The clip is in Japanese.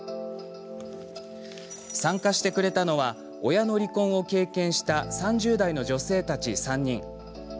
参加してくれたのは親の離婚を経験した３０代の女性たち３人。